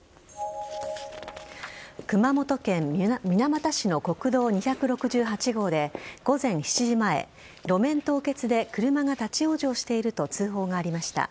熊本県水俣市の国道２６８号で午前７時前、路面凍結で車が立ち往生していると通報がありました。